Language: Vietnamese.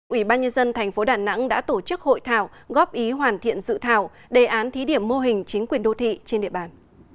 ủy ban nhân dân thành phố đà nẵng đã tổ chức hội thảo góp ý hoàn thiện dự thảo đề án thí điểm mô hình chính quyền đô thị trên địa bàn